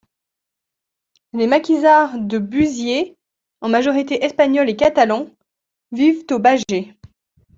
Les maquisards de Buziet, en majorité Espagnols et Catalans, vivent au Bager.